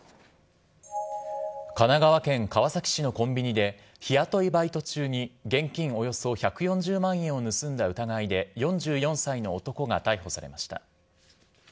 神奈川県川崎市のコンビニで、日雇いバイト中に現金およそ１４０万円を盗んだ疑いで、４４歳の男が逮捕されました。